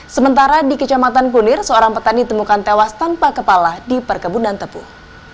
sementara di kecamatan kunir seorang petani ditemukan tewas tanpa kepala di perkebunan tepung